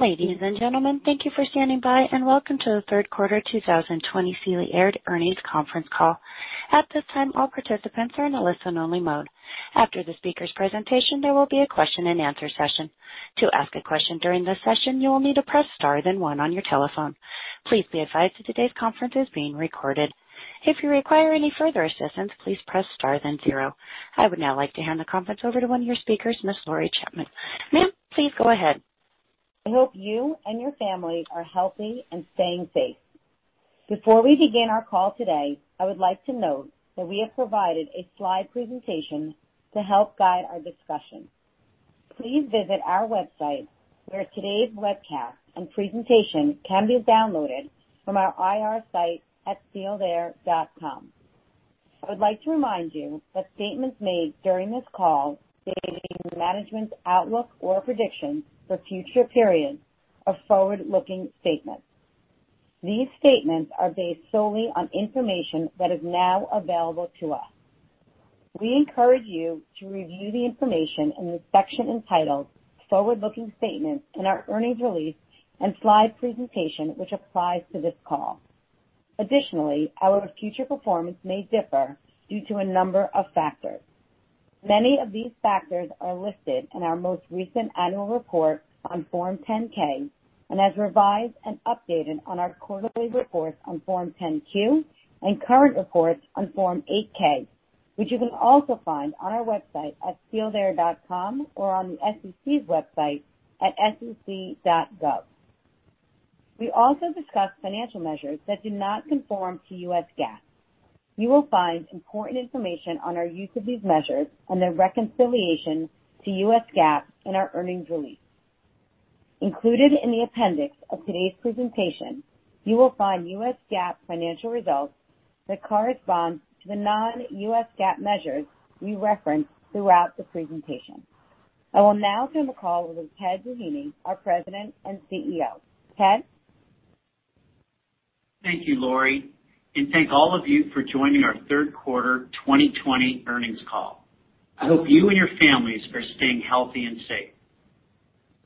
Ladies and gentlemen, thank you for standing by. Welcome to the third quarter 2020 Sealed Air earnings conference call. At this time, all participants are in a listen-only mode. After the speaker's presentation, there will be a question and answer session. To ask a question during the session, you will need to press star then one on your telephone. Please be advised that today's conference is being recorded. If you require any further assistance, please press star then zero. I would now like to hand the conference over to one of your speakers, Ms. Lori Chaitman. Ma'am, please go ahead. I hope you and your family are healthy and staying safe. Before we begin our call today, I would like to note that we have provided a slide presentation to help guide our discussion. Please visit our website, where today's webcast and presentation can be downloaded from our IR site at sealedair.com. I would like to remind you that statements made during this call relating to management's outlook or predictions for future periods are forward-looking statements. These statements are based solely on information that is now available to us. We encourage you to review the information in the section entitled Forward-Looking Statements in our earnings release and slide presentation, which applies to this call. Additionally, our future performance may differ due to a number of factors. Many of these factors are listed in our most recent annual report on Form 10-K and as revised and updated on our quarterly reports on Form 10-Q and current reports on Form 8-K, which you can also find on our website at sealedair.com or on the SEC's website at sec.gov. We also discuss financial measures that do not conform to U.S. GAAP. You will find important information on our use of these measures and their reconciliation to U.S. GAAP in our earnings release. Included in the appendix of today's presentation, you will find U.S. GAAP financial results that correspond to the non-U.S. GAAP measures we reference throughout the presentation. I will now turn the call over to Ted Doheny, our president and Chief Executive Officer. Ted? Thank you, Lori, and thank all of you for joining our third quarter 2020 earnings call. I hope you and your families are staying healthy and safe.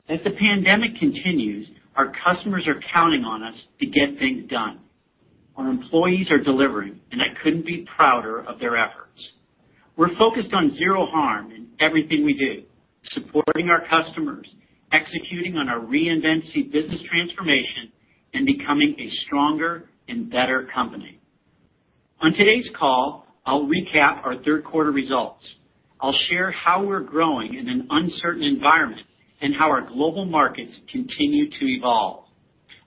As the pandemic continues, our customers are counting on us to get things done. Our employees are delivering, and I couldn't be prouder of their efforts. We're focused on zero harm in everything we do, supporting our customers, executing on our Reinvent SEE business transformation, and becoming a stronger and better company. On today's call, I'll recap our third quarter results. I'll share how we're growing in an uncertain environment and how our global markets continue to evolve.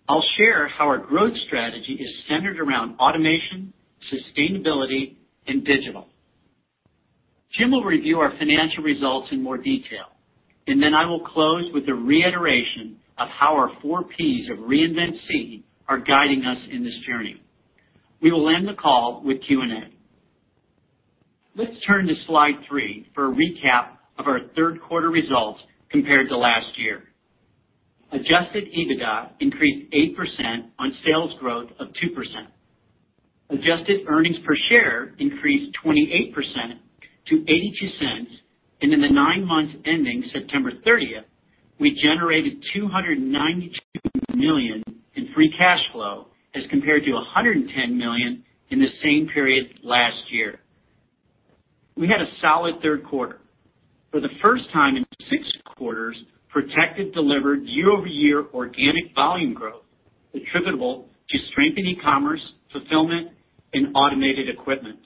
I'll share how our growth strategy is centered around automation, sustainability, and digital. Jim will review our financial results in more detail, and then I will close with a reiteration of how our four Ps of Reinvent SEE are guiding us in this journey. We will end the call with Q&A. Let's turn to slide three for a recap of our third quarter results compared to last year. Adjusted EBITDA increased 8% on sales growth of 2%. Adjusted earnings per share increased 28% to $0.82, and in the nine months ending September 30, we generated $292 million in free cash flow as compared to $110 million in the same period last year. We had a solid third quarter. For the first time in six quarters, Protective delivered year-over-year organic volume growth attributable to strength in e-commerce, fulfillment, and automated equipment.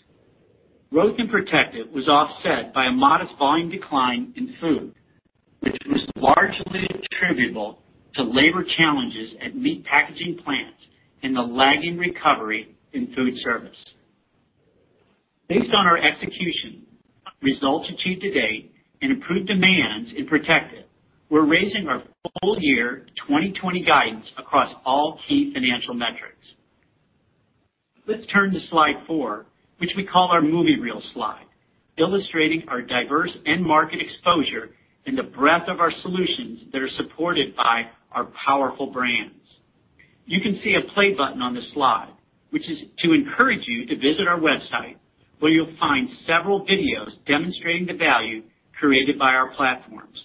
Growth in Protective was offset by a modest volume decline in Food, which was largely attributable to labor challenges at meat packaging plants and the lagging recovery in food service. Based on our execution, results achieved to date, and improved demands in Protective, we're raising our full year 2020 guidance across all key financial metrics. Let's turn to slide four, which we call our movie reel slide, illustrating our diverse end market exposure and the breadth of our solutions that are supported by our powerful brands. You can see a play button on the slide, which is to encourage you to visit our website, where you'll find several videos demonstrating the value created by our platforms.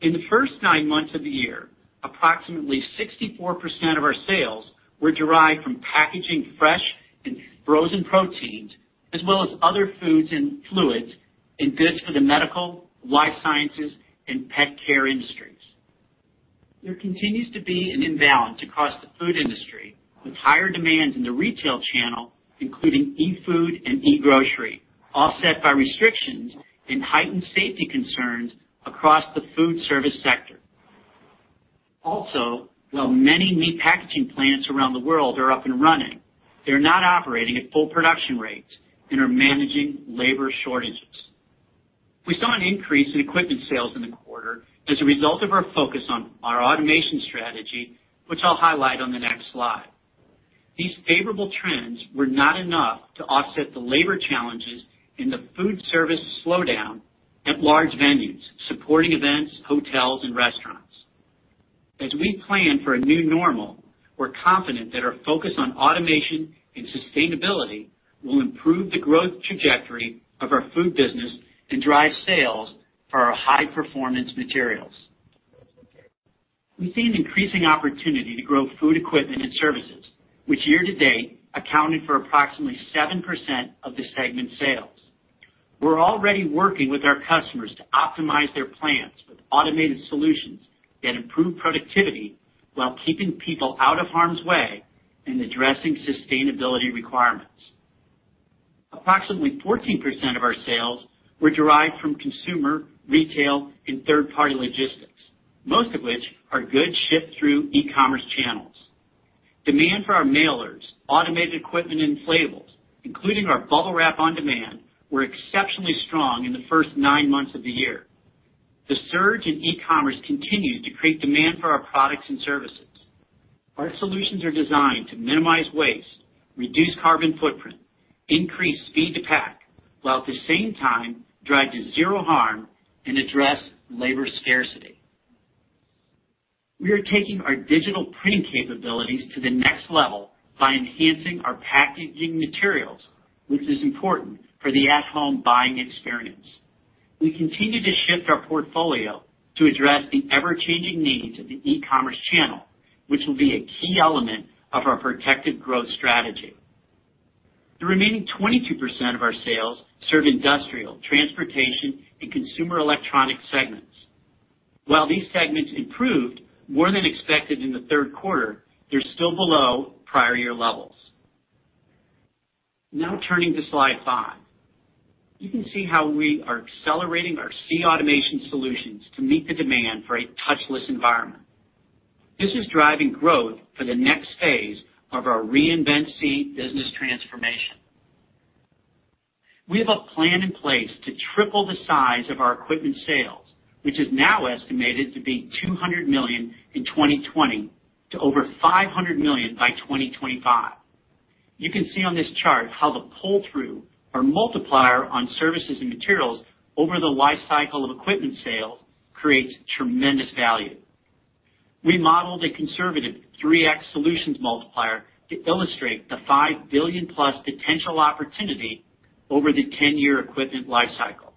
In the first nine months of the year, approximately 64% of our sales were derived from packaging fresh and frozen proteins, as well as other foods and fluids and goods for the medical, life sciences, and pet care industries. There continues to be an imbalance across the food industry, with higher demands in the retail channel, including e-food and e-grocery, offset by restrictions and heightened safety concerns across the food service sector. Also, while many meat packaging plants around the world are up and running, they are not operating at full production rates and are managing labor shortages. We saw an increase in equipment sales in the quarter as a result of our focus on our automation strategy, which I'll highlight on the next slide. These favorable trends were not enough to offset the labor challenges in the food service slowdown at large venues supporting events, hotels, and restaurants. As we plan for a new normal, we're confident that our focus on automation and sustainability will improve the growth trajectory of our Food business and drive sales for our high-performance materials. We see an increasing opportunity to grow food equipment and services, which year-to-date accounted for approximately 7% of the segment's sales. We're already working with our customers to optimize their plans with automated solutions that improve productivity while keeping people out of harm's way and addressing sustainability requirements. Approximately 14% of our sales were derived from consumer, retail, and third-party logistics, most of which are goods shipped through e-commerce channels. Demand for our mailers, automated equipment, and inflatables, including our BUBBLE WRAP on demand, were exceptionally strong in the first nine months of the year. The surge in e-commerce continues to create demand for our products and services. Our solutions are designed to minimize waste, reduce carbon footprint, increase speed to pack, while at the same time drive to zero harm and address labor scarcity. We are taking our digital printing capabilities to the next level by enhancing our packaging materials, which is important for the at-home buying experience. We continue to shift our portfolio to address the ever-changing needs of the e-commerce channel, which will be a key element of our Protective growth strategy. The remaining 22% of our sales serve industrial, transportation, and consumer electronic segments. While these segments improved more than expected in the third quarter, they're still below prior year levels. Turning to slide five. You can see how we are accelerating our SEE Automation solutions to meet the demand for a touchless environment. This is driving growth for the next phase of our Reinvent SEE business transformation. We have a plan in place to triple the size of our equipment sales, which is now estimated to be $200 million in 2020 to over $500 million by 2025. You can see on this chart how the pull-through or multiplier on services and materials over the life cycle of equipment sales creates tremendous value. We modeled a conservative 3x solutions multiplier to illustrate the $5 billion+ potential opportunity over the 10-year equipment life cycle.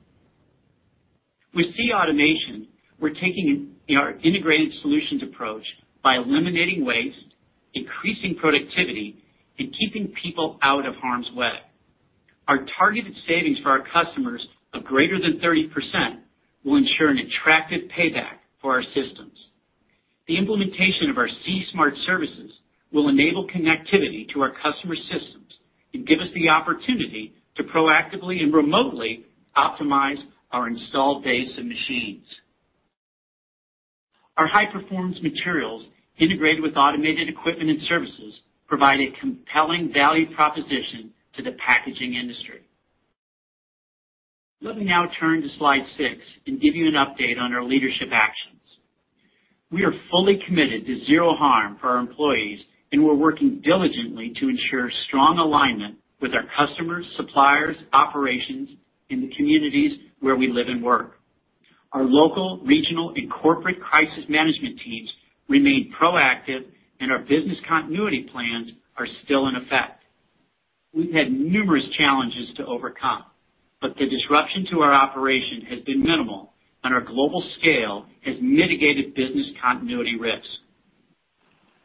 With SEE Automation, we're taking our integrated solutions approach by eliminating waste, increasing productivity, and keeping people out of harm's way. Our targeted savings for our customers of greater than 30% will ensure an attractive payback for our systems. The implementation of our SEE Smart services will enable connectivity to our customer systems and give us the opportunity to proactively and remotely optimize our installed base of machines. Our high-performance materials integrated with automated equipment and services provide a compelling value proposition to the packaging industry. Let me now turn to slide six and give you an update on our leadership actions. We are fully committed to zero harm for our employees, and we're working diligently to ensure strong alignment with our customers, suppliers, operations in the communities where we live and work. Our local, regional, and corporate crisis management teams remain proactive, and our business continuity plans are still in effect. We've had numerous challenges to overcome, but the disruption to our operation has been minimal, and our global scale has mitigated business continuity risks.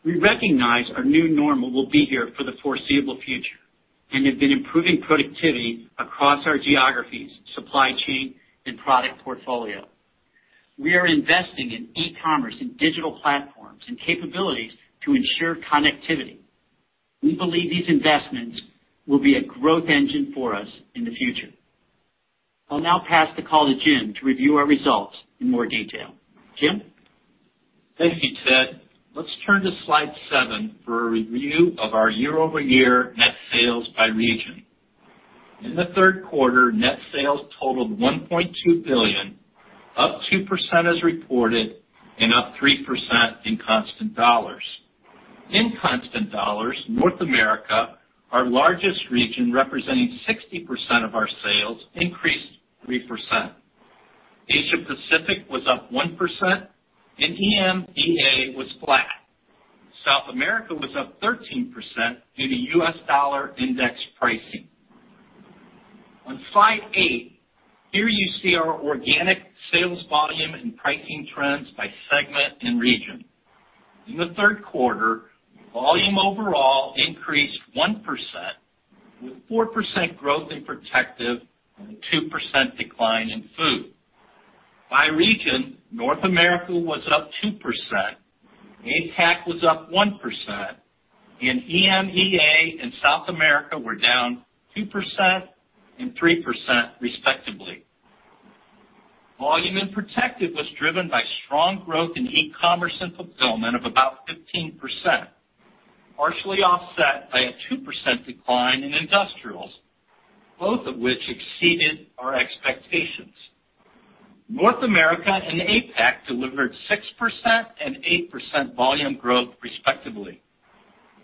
We recognize our new normal will be here for the foreseeable future and have been improving productivity across our geographies, supply chain, and product portfolio. We are investing in e-commerce and digital platforms and capabilities to ensure connectivity. We believe these investments will be a growth engine for us in the future. I'll now pass the call to Jim to review our results in more detail. Jim? Thank you, Ted. Let's turn to slide seven for a review of our year-over-year net sales by region. In the third quarter, net sales totaled $1.2 billion, up 2% as reported, and up 3% in constant dollars. In constant dollars, North America, our largest region, representing 60% of our sales, increased 3%. Asia-Pacific was up 1%, and EMEA was flat. South America was up 13% due to U.S. dollar index pricing. On slide eight, here you see our organic sales volume and pricing trends by segment and region. In the third quarter, volume overall increased 1%, with 4% growth in Protective and a 2% decline in Food. By region, North America was up 2%, APAC was up 1%, and EMEA and South America were down 2% and 3% respectively. Volume in Protective was driven by strong growth in e-commerce and fulfillment of about 15%, partially offset by a 2% decline in industrials, both of which exceeded our expectations. North America and APAC delivered 6% and 8% volume growth respectively.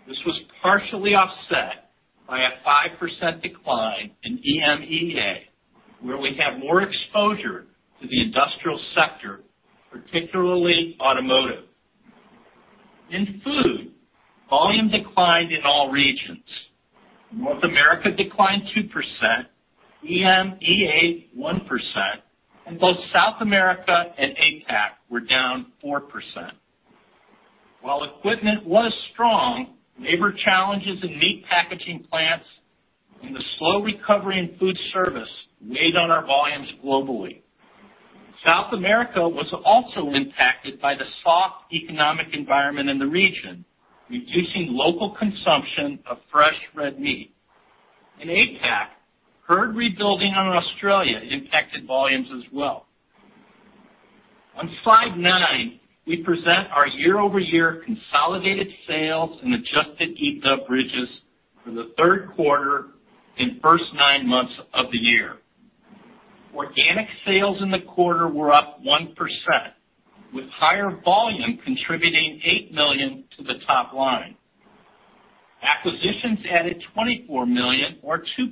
This was partially offset by a 5% decline in EMEA. Where we have more exposure to the industrial sector, particularly automotive. In Food, volume declined in all regions. North America declined 2%, EMEA 1%, and both South America and APAC were down 4%. While equipment was strong, labor challenges in meat packaging plants and the slow recovery in food service weighed on our volumes globally. South America was also impacted by the soft economic environment in the region, reducing local consumption of fresh red meat. In APAC, herd rebuilding in Australia impacted volumes as well. On slide nine, we present our year-over-year consolidated sales and adjusted EBITDA bridges for the third quarter and first nine months of the year. Organic sales in the quarter were up 1%, with higher volume contributing $8 million to the top line. Acquisitions added $24 million or 2%,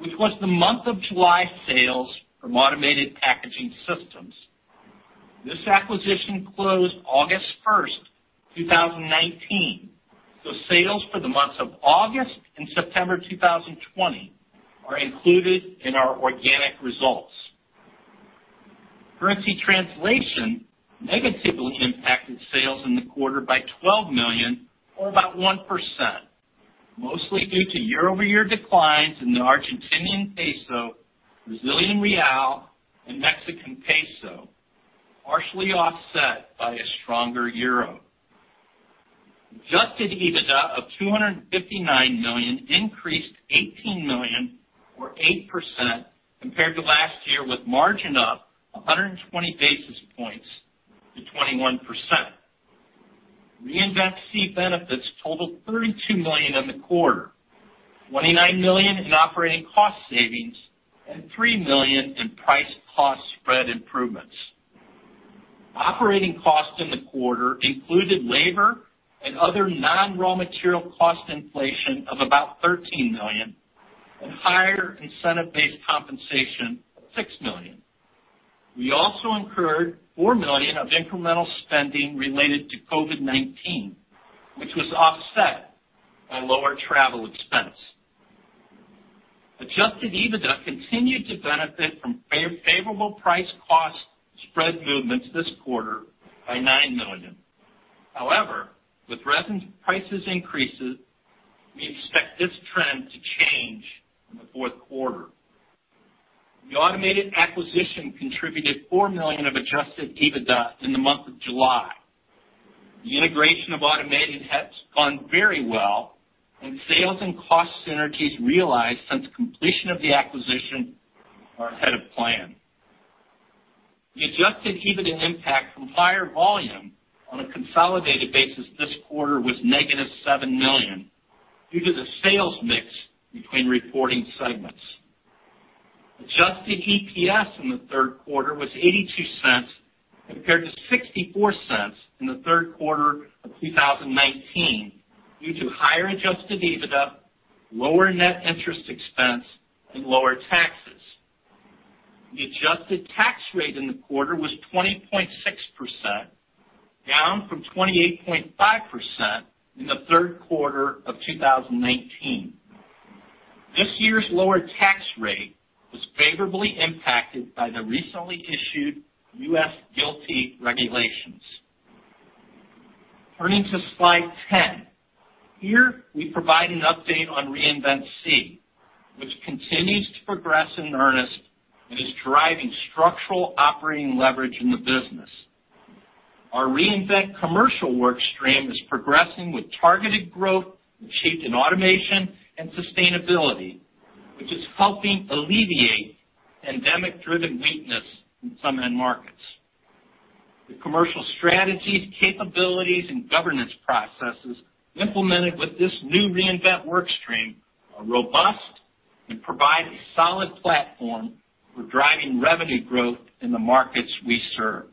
which was the month of July sales from Automated Packaging Systems. This acquisition closed August 1, 2019. Sales for the months of August and September 2020 are included in our organic results. Currency translation negatively impacted sales in the quarter by $12 million or about 1%, mostly due to year-over-year declines in the Argentinian peso, Brazilian real, and Mexican peso, partially offset by a stronger euro. Adjusted EBITDA of $259 million increased $18 million or 8% compared to last year, with margin up 120 basis points to 21%. Reinvent SEE benefits totaled $32 million in the quarter, $29 million in operating cost savings, and $3 million in price cost spread improvements. Operating costs in the quarter included labor and other non-raw material cost inflation of about $13 million and higher incentive-based compensation of $6 million. We also incurred $4 million of incremental spending related to COVID-19, which was offset by lower travel expense. Adjusted EBITDA continued to benefit from favorable price cost spread movements this quarter by $9 million. However, with resin prices increases, we expect this trend to change in the fourth quarter. The Automated acquisition contributed $4 million of adjusted EBITDA in the month of July. The integration of Automated has gone very well, and sales and cost synergies realized since completion of the acquisition are ahead of plan. The adjusted EBITDA impact from higher volume on a consolidated basis this quarter was $-7 million due to the sales mix between reporting segments. Adjusted EPS in the third quarter was $0.82 compared to $0.64 in the third quarter of 2019 due to higher adjusted EBITDA, lower net interest expense, and lower taxes. The adjusted tax rate in the quarter was 20.6%, down from 28.5% in the third quarter of 2019. This year's lower tax rate was favorably impacted by the recently issued U.S. GILTI regulations. Turning to slide 10. Here, we provide an update on Reinvent SEE, which continues to progress in earnest and is driving structural operating leverage in the business. Our Reinvent commercial work stream is progressing with targeted growth shaped in automation and sustainability, which is helping alleviate endemic-driven weakness in some end markets. The commercial strategies, capabilities, and governance processes implemented with this new Reinvent work stream are robust and provide a solid platform for driving revenue growth in the markets we serve.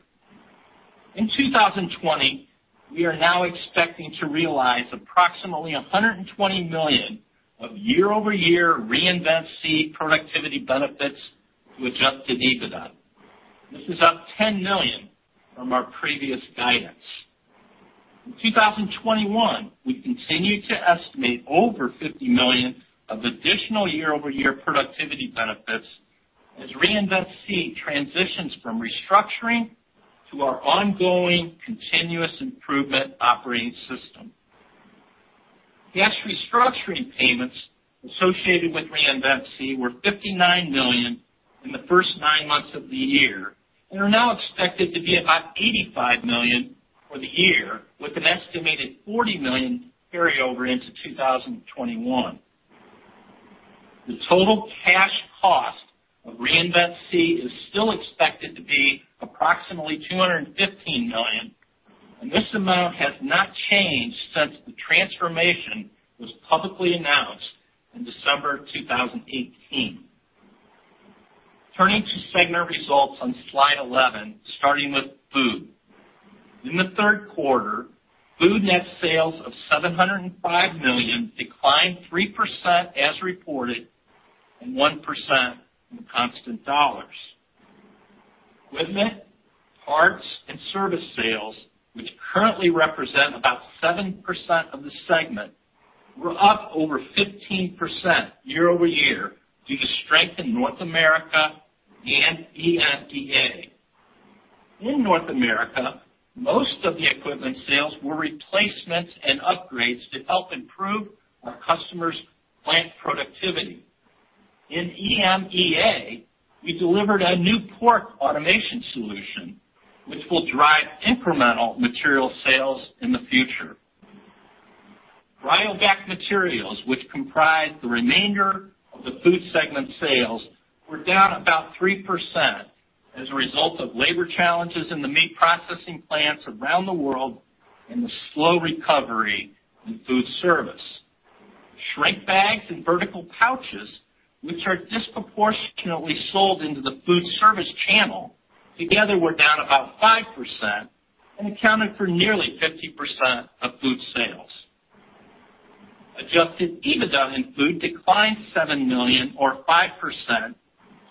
In 2020, we are now expecting to realize approximately $120 million of year-over-year Reinvent SEE productivity benefits to adjusted EBITDA. This is up $10 million from our previous guidance. In 2021, we continue to estimate over $50 million of additional year-over-year productivity benefits as Reinvent SEE transitions from restructuring to our ongoing continuous improvement operating system. Cash restructuring payments associated with Reinvent SEE were $59 million in the first nine months of the year, and are now expected to be about $85 million for the year, with an estimated $40 million carryover into 2021. The total cash cost of Reinvent SEE is still expected to be approximately $215 million. This amount has not changed since the transformation was publicly announced in December 2018. Turning to segment results on slide 11, starting with Food. In the third quarter, Food net sales of $705 million, declined 3% as reported, 1% in constant dollars. Equipment, parts, and service sales, which currently represent about 7% of the segment, were up over 15% year-over-year due to strength in North America and EMEA. In North America, most of the equipment sales were replacements and upgrades to help improve our customers' plant productivity. In EMEA, we delivered a new pork automation solution, which will drive incremental material sales in the future. CRYOVAC materials, which comprise the remainder of the Food segment sales, were down 3% as a result of labor challenges in the meat processing plants around the world and the slow recovery in food service. Shrink bags and vertical pouches, which are disproportionately sold into the food service channel, together were down 5% and accounted for 50% of Food sales. adjusted EBITDA in Food declined $7 million or 5%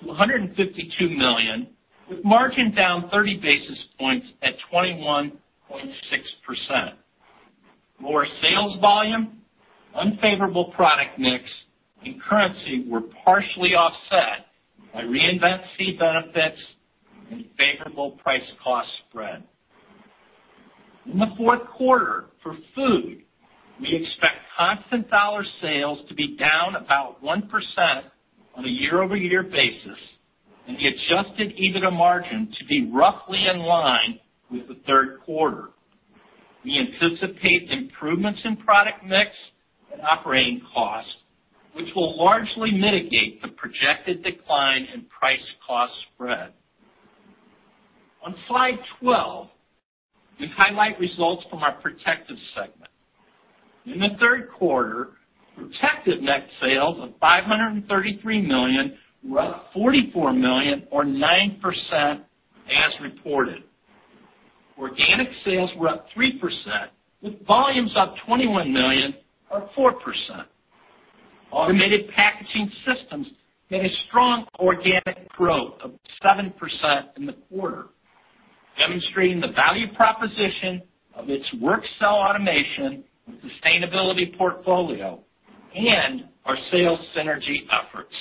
to $152 million, with margin down 30 basis points at 21.6%. Lower sales volume, unfavorable product mix, and currency were partially offset by Reinvent SEE benefits and favorable price cost spread. In the fourth quarter for Food, we expect constant dollar sales to be down 1% on a year-over-year basis, and the adjusted EBITDA margin to be roughly in line with the third quarter. We anticipate improvements in product mix and operating costs, which will largely mitigate the projected decline in price cost spread. On slide 12, we highlight results from our Protective segment. In the third quarter, Protective net sales of $533 million were up $44 million or 9% as reported. Organic sales were up 3%, with volumes up $21 million or 4%. Automated Packaging Systems had a strong organic growth of 7% in the quarter, demonstrating the value proposition of its work cell automation and sustainability portfolio, and our sales synergy efforts.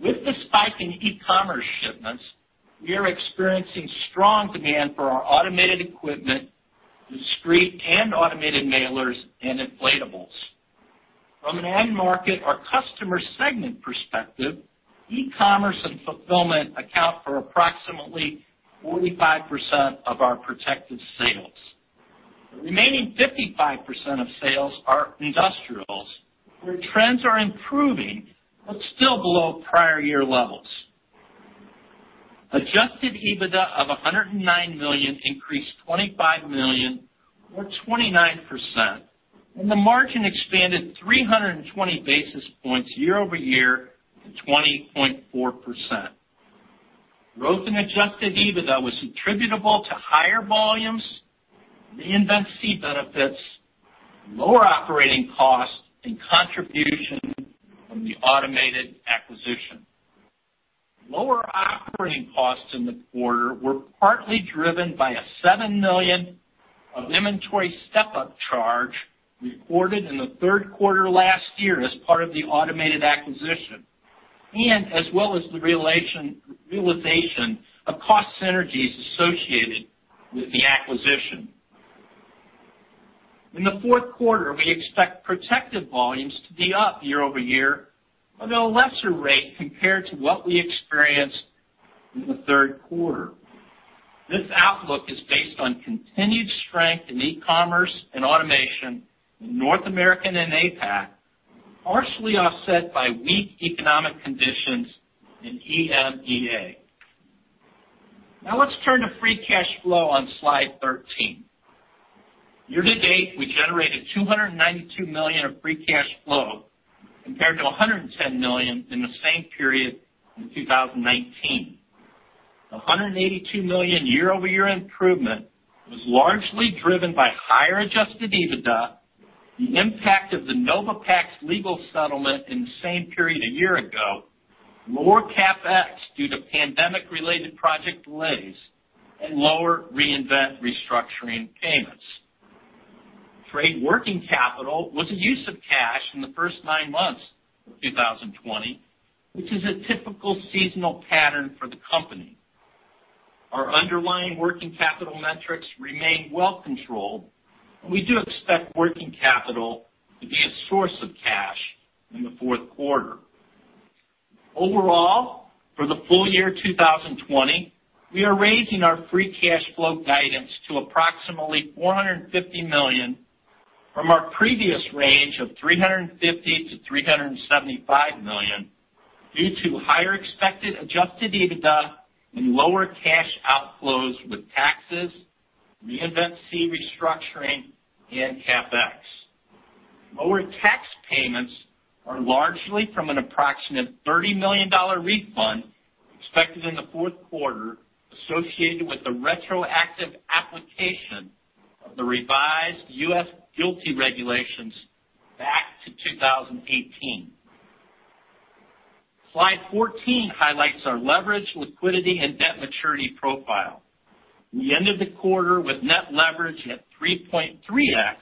With the spike in e-commerce shipments, we are experiencing strong demand for our automated equipment, discrete and automated mailers, and inflatables. From an end market or customer segment perspective, e-commerce and fulfillment account for approximately 45% of our Protective sales. The remaining 55% of sales are industrials, where trends are improving but still below prior year levels. Adjusted EBITDA of $109 million increased $25 million or 29%, and the margin expanded 320 basis points year-over-year to 20.4%. Growth in adjusted EBITDA was attributable to higher volumes, Reinvent SEE benefits, lower operating costs, and contribution from the automated acquisition. Lower operating costs in the quarter were partly driven by a $7 million of inventory step-up charge recorded in the third quarter last year as part of the automated acquisition, and as well as the realization of cost synergies associated with the acquisition. In the fourth quarter, we expect Protective volumes to be up year-over-year, although a lesser rate compared to what we experienced in the third quarter. This outlook is based on continued strength in e-commerce and automation in North America and APAC, partially offset by weak economic conditions in EMEA. Now let's turn to free cash flow on slide 13. Year-to-date, we generated $292 million of free cash flow compared to $110 million in the same period in 2019. The $182 million year-over-year improvement was largely driven by higher adjusted EBITDA, the impact of the Novipax's legal settlement in the same period a year ago, lower CapEx due to pandemic-related project delays, and lower Reinvent restructuring payments. Trade working capital was a use of cash in the first nine months of 2020, which is a typical seasonal pattern for the company. Our underlying working capital metrics remain well controlled, and we do expect working capital to be a source of cash in the fourth quarter. Overall, for the full year 2020, we are raising our free cash flow guidance to approximately $450 million from our previous range of $350 million-$375 million due to higher expected adjusted EBITDA and lower cash outflows with taxes, Reinvent SEE restructuring and CapEx. Lower tax payments are largely from an approximate $30 million refund expected in the fourth quarter associated with the retroactive application of the revised U.S. GILTI regulations back to 2018. Slide 14 highlights our leverage, liquidity, and debt maturity profile. We ended the quarter with net leverage at 3.3x,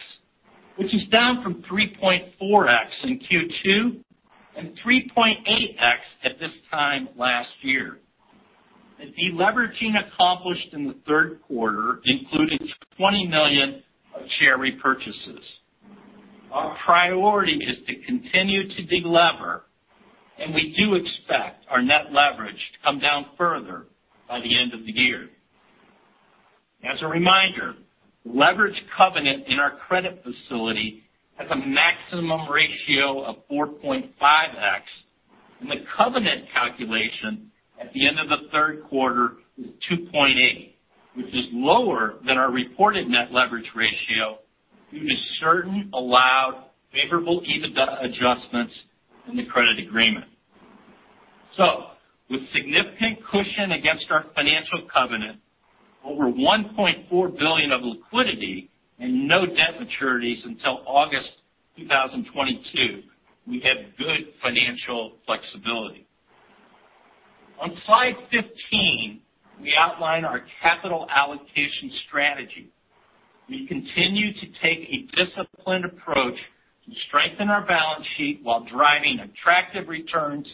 which is down from 3.4x in Q2 and 3.8x at this time last year. The deleveraging accomplished in the third quarter included $20 million of share repurchases. Our priority is to continue to delever, and we do expect our net leverage to come down further by the end of the year. As a reminder, leverage covenant in our credit facility has a maximum ratio of 4.5x, and the covenant calculation at the end of the third quarter was 2.8x, which is lower than our reported net leverage ratio due to certain allowed favorable EBITDA adjustments in the credit agreement. With significant cushion against our financial covenant, over $1.4 billion of liquidity, and no debt maturities until August 2022, we have good financial flexibility. On slide 15, we outline our capital allocation strategy. We continue to take a disciplined approach to strengthen our balance sheet while driving attractive returns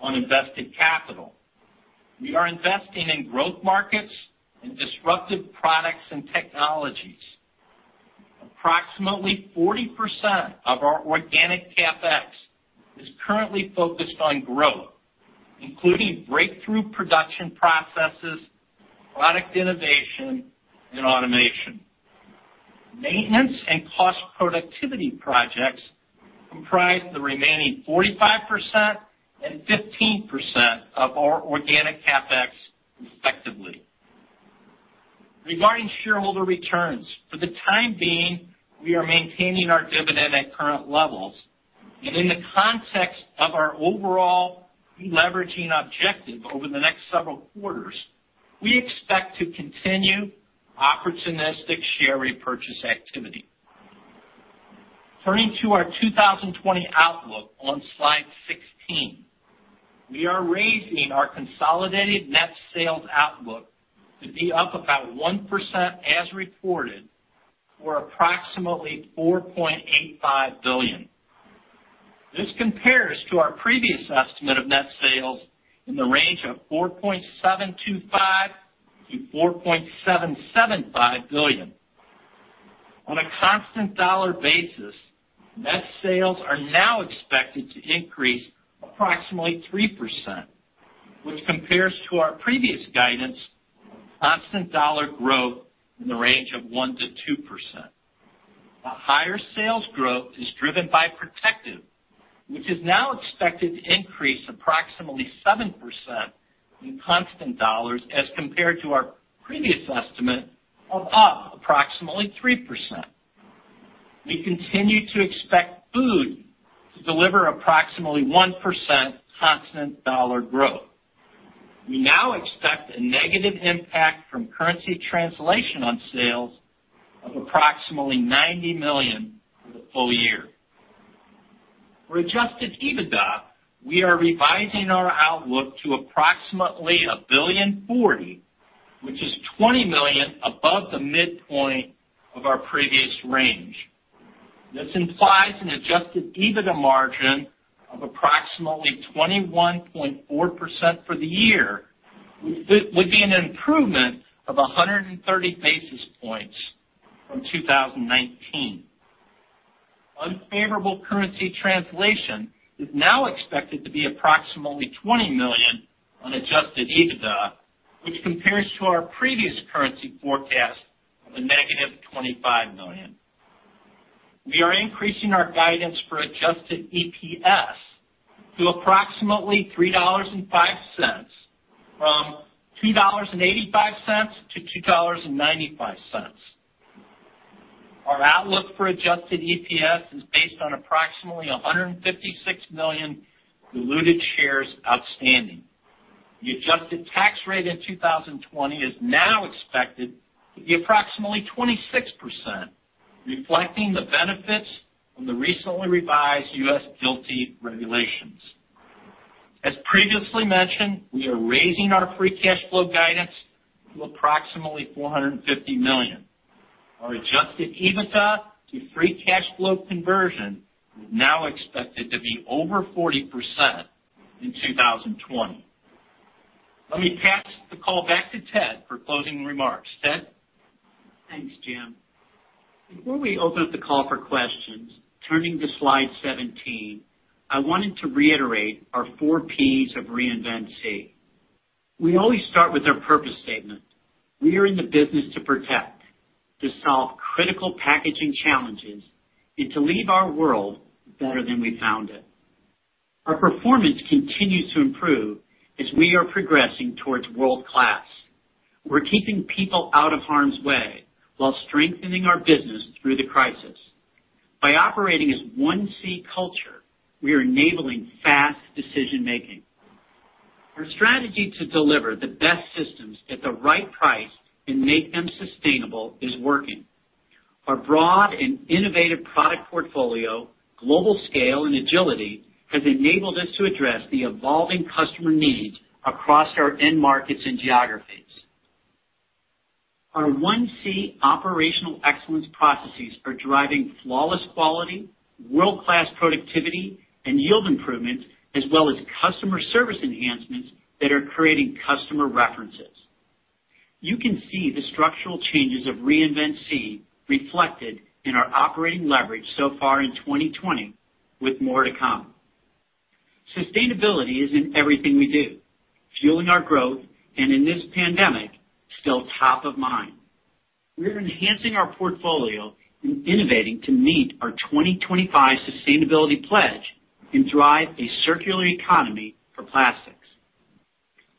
on invested capital. We are investing in growth markets and disruptive products and technologies. Approximately 40% of our organic CapEx is currently focused on growth, including breakthrough production processes, product innovation, and automation. Maintenance and cost productivity projects comprise the remaining 45% and 15% of our organic CapEx respectively. Regarding shareholder returns, for the time being, we are maintaining our dividend at current levels, and in the context of our overall deleveraging objective over the next several quarters, we expect to continue opportunistic share repurchase activity. Turning to our 2020 outlook on slide 16. We are raising our consolidated net sales outlook to be up about 1% as reported for approximately $4.85 billion. This compares to our previous estimate of net sales in the range of $4.725 billion-$4.775 billion. On a constant dollar basis, net sales are now expected to increase approximately 3%, which compares to our previous guidance, constant dollar growth in the range of 1%-2%. A higher sales growth is driven by Protective, which is now expected to increase approximately 7% in constant dollars as compared to our previous estimate of up approximately 3%. We continue to expect Food to deliver approximately 1% constant dollar growth. We now expect a negative impact from currency translation on sales of approximately $90 million for the full year. For adjusted EBITDA, we are revising our outlook to approximately $1.04 billion, which is $20 million above the midpoint of our previous range. This implies an adjusted EBITDA margin of approximately 21.4% for the year, which would be an improvement of 130 basis points from 2019. Unfavorable currency translation is now expected to be approximately $20 million on adjusted EBITDA, which compares to our previous currency forecast of a $-25 million. We are increasing our guidance for adjusted EPS to approximately $3.05 from $2.85-$2.95. Our outlook for adjusted EPS is based on approximately 156 million diluted shares outstanding. The adjusted tax rate in 2020 is now expected to be approximately 26%, reflecting the benefits from the recently revised U.S. GAAP regulations. As previously mentioned, we are raising our free cash flow guidance to approximately $450 million. Our adjusted EBITDA to free cash flow conversion is now expected to be over 40% in 2020. Let me pass the call back to Ted for closing remarks. Ted? Thanks, Jim. Before we open up the call for questions, turning to slide 17, I wanted to reiterate our four Ps of Reinvent SEE. We always start with our purpose statement. We are in the business to protect, to solve critical packaging challenges, and to leave our world better than we found it. Our performance continues to improve as we are progressing towards world-class. We're keeping people out of harm's way while strengthening our business through the crisis. By operating as one SEE culture, we are enabling fast decision-making. Our strategy to deliver the best systems at the right price and make them sustainable is working. Our broad and innovative product portfolio, global scale, and agility have enabled us to address the evolving customer needs across our end markets and geographies. Our One SEE operational excellence processes are driving flawless quality, world-class productivity, and yield improvements, as well as customer service enhancements that are creating customer references. You can see the structural changes of Reinvent SEE reflected in our operating leverage so far in 2020, with more to come. Sustainability is in everything we do, fueling our growth, and in this pandemic, still top of mind. We are enhancing our portfolio and innovating to meet our 2025 sustainability pledge and drive a circular economy for plastics.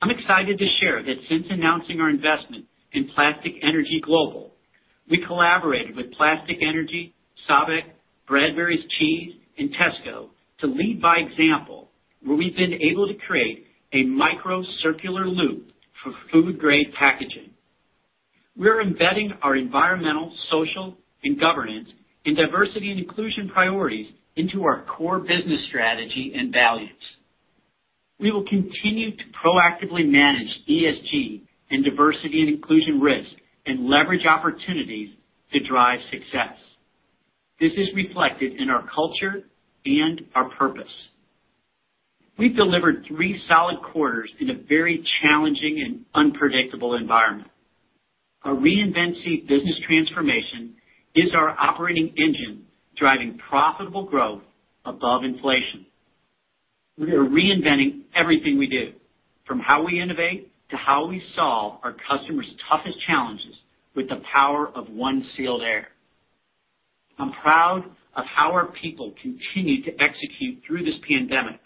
I'm excited to share that since announcing our investment in Plastic Energy Global, we collaborated with Plastic Energy, SABIC, Bradburys Cheese, and Tesco to lead by example, where we've been able to create a micro circular loop for food-grade packaging. We are embedding our environmental, social, and governance, and diversity and inclusion priorities into our core business strategy and values. We will continue to proactively manage ESG and diversity and inclusion risk and leverage opportunities to drive success. This is reflected in our culture and our purpose. We've delivered three solid quarters in a very challenging and unpredictable environment. Our Reinvent SEE business transformation is our operating engine, driving profitable growth above inflation. We are reinventing everything we do, from how we innovate to how we solve our customers' toughest challenges with the power of One Sealed Air. I'm proud of how our people continue to execute through this pandemic,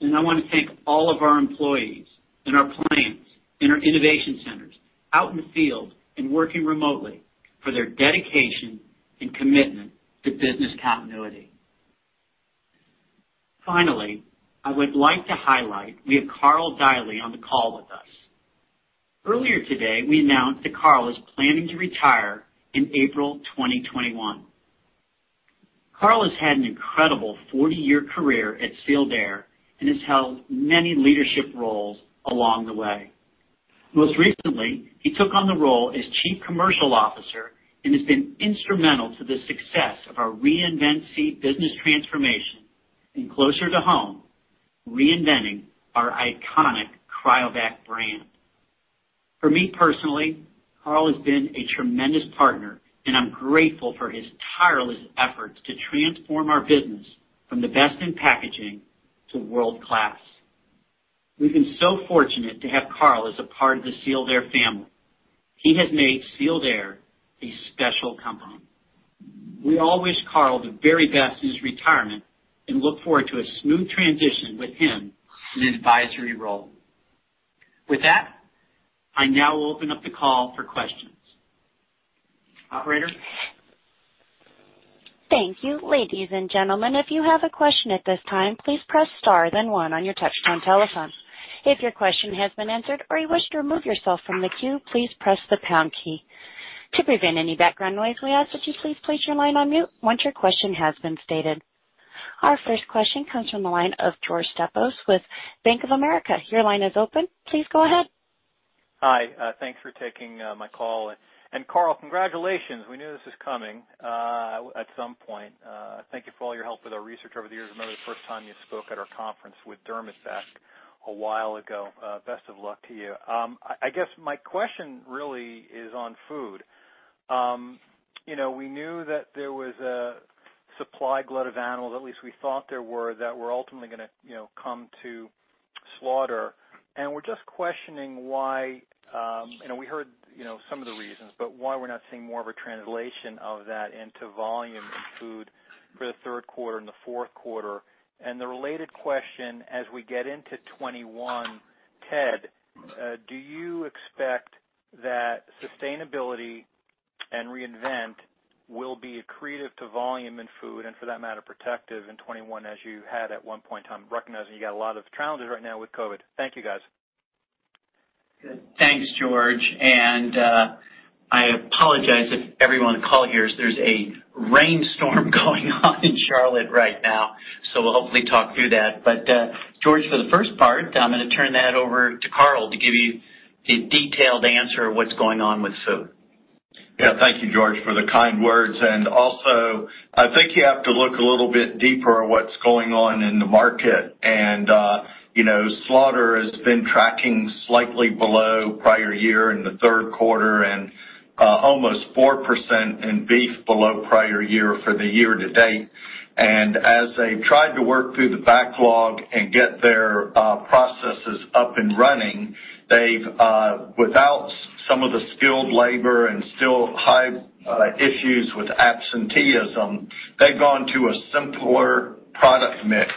and I want to thank all of our employees in our plants, in our innovation centers, out in the field, and working remotely, for their dedication and commitment to business continuity. Finally, I would like to highlight, we have Karl Deily on the call with us. Earlier today, we announced that Karl is planning to retire in April 2021. Karl has had an incredible 40-year career at Sealed Air and has held many leadership roles along the way. Most recently, he took on the role as Chief Commercial Officer and has been instrumental to the success of our Reinvent SEE business transformation and closer to home, reinventing our iconic CRYOVAC brand. For me personally, Karl has been a tremendous partner, and I'm grateful for his tireless efforts to transform our business from the best in packaging to world-class. We've been so fortunate to have Karl as a part of the Sealed Air family. He has made Sealed Air a special company. We all wish Karl the very best in his retirement and look forward to a smooth transition with him in an Advisory role. With that, I now open up the call for questions. Operator? Thank you. Ladies and gentlemen, if you have a question at this time, please press star then one on your touchtone telephone. If your question has been answered or you wish to remove yourself from the queue, please press the pound key. To prevent any background noise, we ask that you please place your line on mute once your question has been stated. Our first question comes from the line of George Staphos with Bank of America. Your line is open. Please go ahead. Hi. Thanks for taking my call. Karl, congratulations. We knew this was coming at some point. Thank you for all your help with our research over the years. I remember the first time you spoke at our conference with Dermont Dunphy a while ago. Best of luck to you. I guess my question really is on Food. We knew that there was a supply glut of animals, at least we thought there were, that were ultimately going to come to slaughter. We're just questioning why, we heard some of the reasons, but why we're not seeing more of a translation of that into volume in Food for the third quarter and the fourth quarter. The related question, as we get into 2021, Ted, do you expect that sustainability and Reinvent SEE will be accretive to volume and Food, and for that matter, Protective in 2021 as you had at one point in time, recognizing you got a lot of challenges right now with COVID? Thank you, guys. Good. Thanks, George. I apologize if everyone on the call hears there's a rainstorm going on in Charlotte right now, so we'll hopefully talk through that. George, for the first part, I'm going to turn that over to Karl to give you the detailed answer of what's going on with Food. Yeah. Thank you, George, for the kind words. Also, I think you have to look a little bit deeper at what's going on in the market. Slaughter has been tracking slightly below prior year in the third quarter and almost 4% in beef below prior year for the year to date. As they tried to work through the backlog and get their process is up and running, without some of the skilled labor and still high issues with absenteeism, they've gone to a simpler product mix,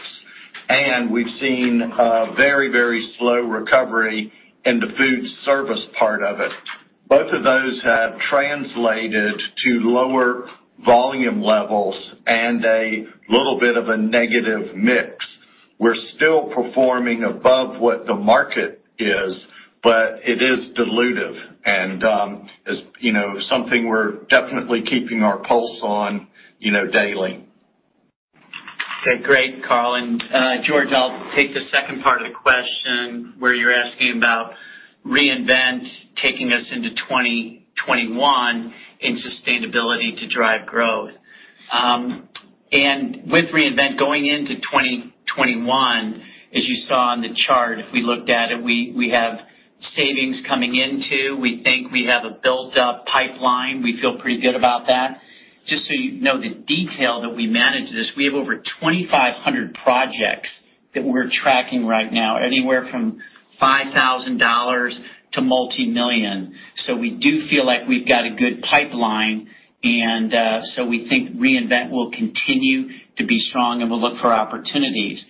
and we've seen a very slow recovery in the food service part of it. Both of those have translated to lower volume levels and a little bit of a negative mix. We're still performing above what the market is, but it is dilutive and is something we're definitely keeping our pulse on daily. Okay. Great, Karl. George, I'll take the second part of the question where you're asking about Reinvent taking us into 2021 in sustainability to drive growth. With Reinvent going into 2021, as you saw on the chart, if we looked at it, we have savings coming into. We think we have a built-up pipeline. We feel pretty good about that. Just so you know the detail that we manage this, we have over 2,500 projects that we're tracking right now, anywhere from $5,000 to multimillion. We do feel like we've got a good pipeline, we think Reinvent will continue to be strong, and we'll look for opportunities.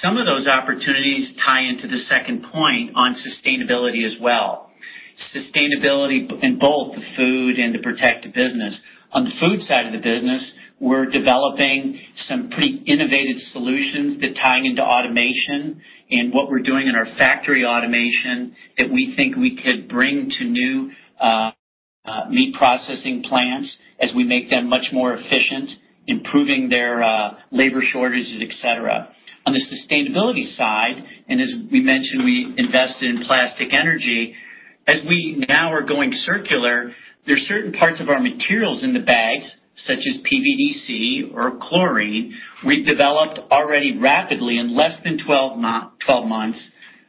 Some of those opportunities tie into the second point on sustainability as well. Sustainability in both the Food and the Protective business. On the Food side of the business, we're developing some pretty innovative solutions that tie into automation and what we're doing in our factory automation that we think we could bring to new meat processing plants as we make them much more efficient, improving their labor shortages, et cetera. On the sustainability side, as we mentioned, we invested in Plastic Energy. As we now are going circular, there are certain parts of our materials in the bags, such as PVDC or chlorine. We've developed already rapidly, in less than 12 months,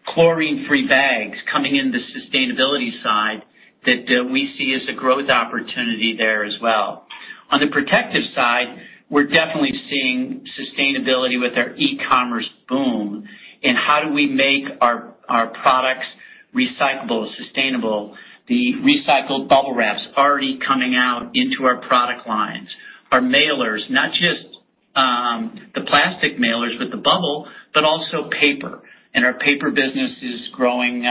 chlorine-free bags coming in the sustainability side that we see as a growth opportunity there as well. On the Protective side, we're definitely seeing sustainability with our e-commerce boom in how do we make our products recyclable, sustainable. The recycled BUBBLE WRAP's already coming out into our product lines. Our mailers, not just the plastic mailers, but the BUBBLE WRAP, but also paper. Our paper business is growing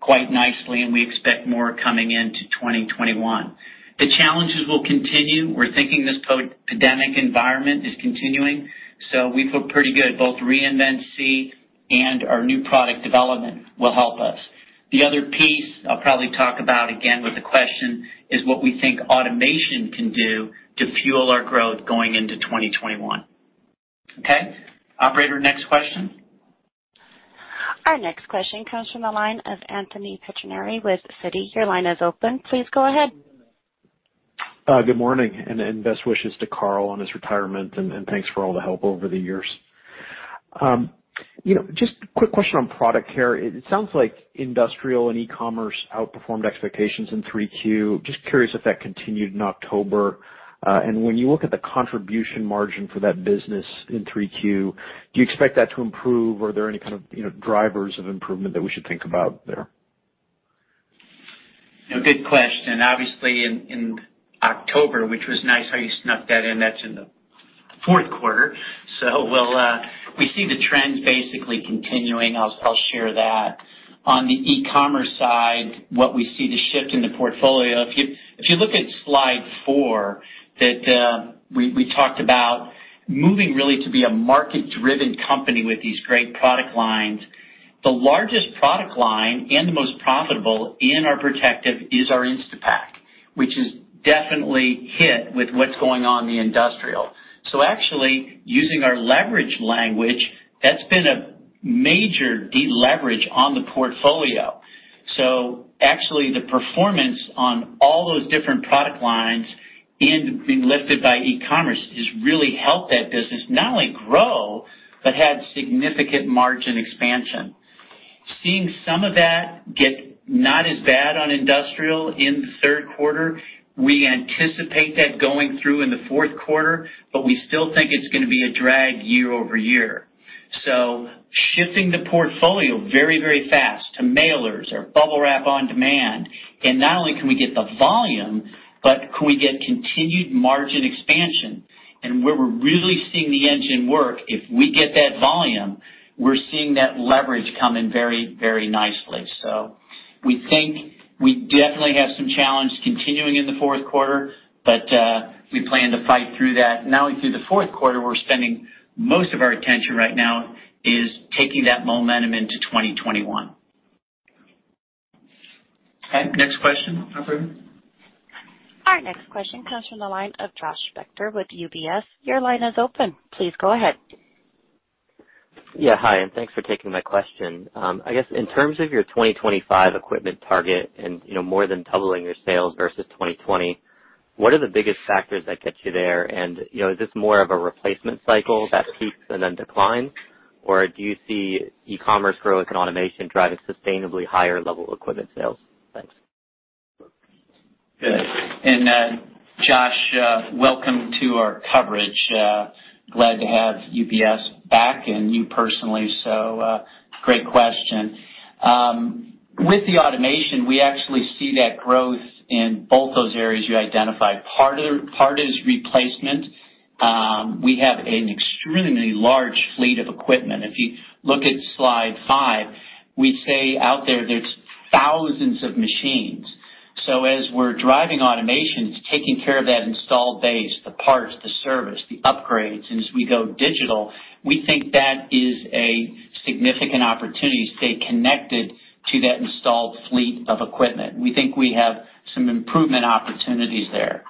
quite nicely, and we expect more coming into 2021. The challenges will continue. We're thinking this pandemic environment is continuing, so we feel pretty good, both Reinvent SEE and our new product development will help us. The other piece I'll probably talk about again with the question is what we think automation can do to fuel our growth going into 2021. Okay? Operator, next question. Our next question comes from the line of Anthony Pettinari with Citi, your line is open. Please go ahead. Good morning, and best wishes to Karl on his retirement, and thanks for all the help over the years. Just a quick question on Protective. It sounds like industrial and e-commerce outperformed expectations in Q3. Just curious if that continued in October. When you look at the contribution margin for that business in Q3, do you expect that to improve? Are there any kind of drivers of improvement that we should think about there? Good question. Obviously, in October, which was nice how you snuck that in, that's in the fourth quarter. We see the trends basically continuing. I'll share that. On the e-commerce side, what we see the shift in the portfolio, if you look at slide four, that we talked about moving really to be a market-driven company with these great product lines. The largest product line and the most profitable in our Protective is our Instapak, which is definitely hit with what's going on in the industrial. Actually, using our leverage language, that's been a major deleverage on the portfolio. Actually, the performance on all those different product lines and being lifted by e-commerce has really helped that business not only grow, but had significant margin expansion. Seeing some of that get not as bad on industrial in the third quarter, we anticipate that going through in the fourth quarter, but we still think it's going to be a drag year over year. Shifting the portfolio very fast to mailers or BUBBLE WRAP on demand, not only can we get the volume, but can we get continued margin expansion. Where we're really seeing the engine work, if we get that volume, we're seeing that leverage come in very nicely. We think we definitely have some challenge continuing in the fourth quarter, but we plan to fight through that. Not only through the fourth quarter, we're spending most of our attention right now is taking that momentum into 2021. Okay, next question, operator. Our next question comes from the line of Josh Spector with UBS, your line is open. Please go ahead. Yeah. Hi, and thanks for taking my question. I guess in terms of your 2025 equipment target and more than doubling your sales versus 2020, what are the biggest factors that get you there? Is this more of a replacement cycle that peaks and then declines, or do you see e-commerce growth and automation driving sustainably higher level equipment sales? Thanks. Good. Josh, welcome to our coverage. Glad to have UBS back and you personally, great question. With the automation, we actually see that growth in both those areas you identified. Part is replacement. We have an extremely large fleet of equipment. If you look at slide five, we say out there's thousands of machines. As we're driving automation, it's taking care of that installed base, the parts, the service, the upgrades. As we go digital, we think that is a significant opportunity to stay connected to that installed fleet of equipment. We think we have some improvement opportunities there.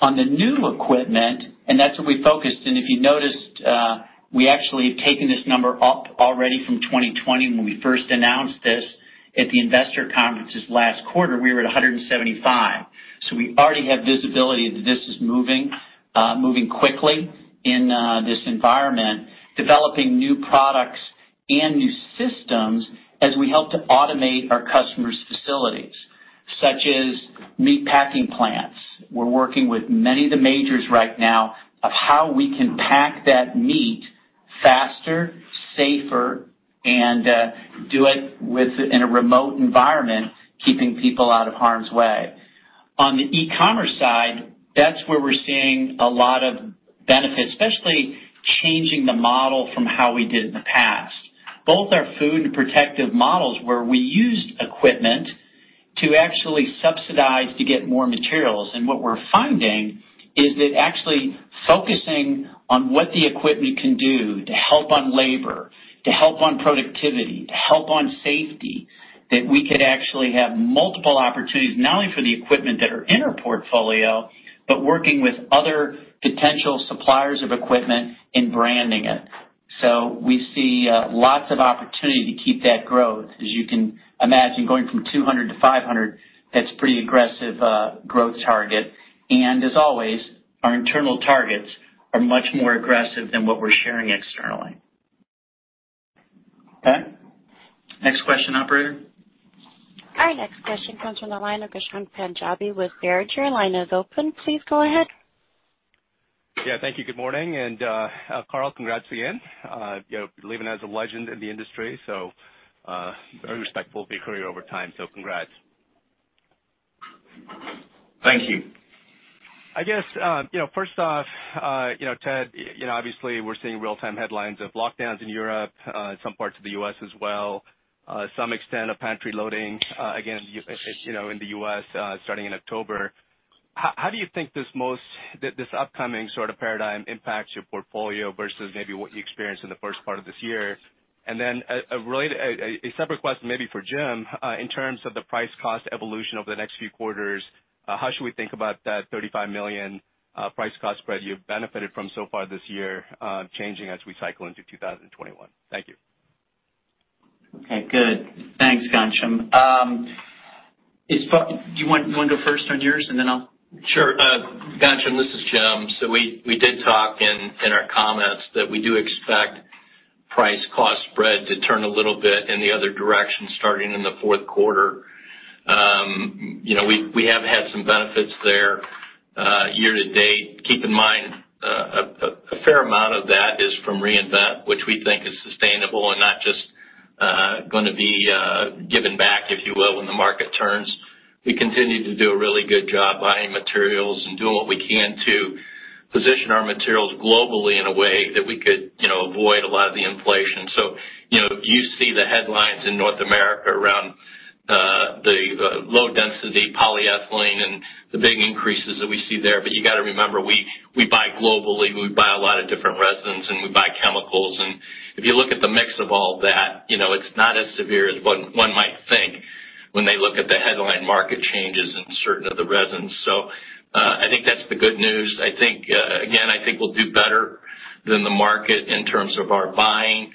On the new equipment, that's what we focused. If you noticed, we actually have taken this number up already from 2020 when we first announced this at the Investor Conferences last quarter, we were at 175. We already have visibility that this is moving quickly in this environment, developing new products and new systems as we help to automate our customers' facilities, such as meat packing plants. We're working with many of the majors right now of how we can pack that meat faster, safer, and do it in a remote environment, keeping people out of harm's way. On the e-commerce side, that's where we're seeing a lot of benefits, especially changing the model from how we did in the past. Both our Food and Protective models where we used equipment to actually subsidize to get more materials. What we're finding is that actually focusing on what the equipment can do to help on labor, to help on productivity, to help on safety, that we could actually have multiple opportunities, not only for the equipment that are in our portfolio, but working with other potential suppliers of equipment and branding it. We see lots of opportunity to keep that growth. As you can imagine, going from 200 to 500, that's pretty aggressive growth target. As always, our internal targets are much more aggressive than what we're sharing externally. Okay. Next question, operator. Our next question comes from the line of Ghansham Panjabi with Baird, your line is open. Please go ahead. Yeah, thank you. Good morning? Karl, congrats again. You're leaving as a legend in the industry, so very respectful of your career over time, so congrats. Thank you. I guess, first off, Ted, obviously we're seeing real-time headlines of lockdowns in Europe, some parts of the U.S. as well, some extent of pantry loading again in the U.S. starting in October. How do you think this upcoming sort of paradigm impacts your portfolio versus maybe what you experienced in the first part of this year? A separate question maybe for Jim, in terms of the price cost evolution over the next few quarters, how should we think about that $35 million price cost spread you've benefited from so far this year changing as we cycle into 2021? Thank you. Okay, good. Thanks, Ghansham. Do you want to go first on yours and then I'll Sure. Ghansham, this is Jim. We did talk in our comments that we do expect price cost spread to turn a little bit in the other direction starting in the fourth quarter. We have had some benefits there year-to-date. Keep in mind, a fair amount of that is from Reinvent, which we think is sustainable and not just going to be given back, if you will, when the market turns. We continue to do a really good job buying materials and doing what we can to position our materials globally in a way that we could avoid a lot of the inflation. You see the headlines in North America around the low density polyethylene and the big increases that we see there. You got to remember, we buy globally, we buy a lot of different resins, and we buy chemicals. If you look at the mix of all that, it's not as severe as one might think when they look at the headline market changes in certain of the resins. I think that's the good news. Again, I think we'll do better than the market in terms of our buying.